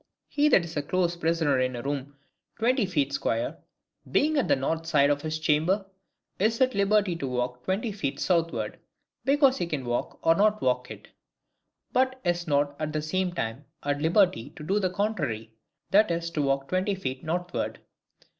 He that is a close prisoner in a room twenty feet square, being at the north side of his chamber, is at liberty to walk twenty feet southward, because he can walk or not walk it; but is not, at the same time, at liberty to do the contrary, i.e. to walk twenty feet northward.